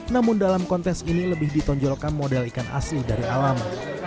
namun dalam kontes ini lebih ditonjolkan model ikan asli dari alam